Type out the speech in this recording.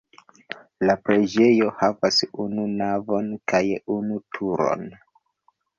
La preĝejo havas unu navon kaj unu turon.